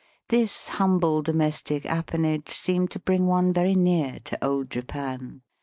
This humble domestic appanage seemed to bring one very near to old Japan.